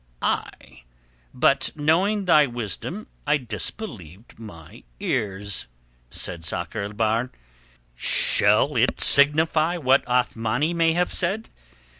"Ay, but knowing thy wisdom I disbelieved my ears," said Sakr el Bahr. "Shall it signify what Othmani may have said?